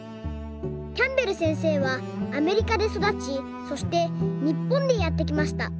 キャンベルせんせいはアメリカでそだちそしてにっぽんにやってきました。